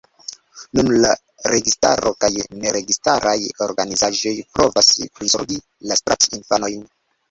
Nun la registaro kaj neregistaraj organizaĵoj provas prizorgi la strat-infanojn.